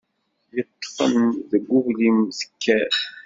Yeṭṭefen deg uglim tekker.